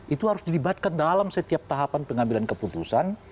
itu harus dilibatkan dalam setiap tahapan pengambilan keputusan